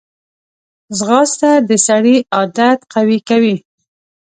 ځغاسته د سړي عادت قوي کوي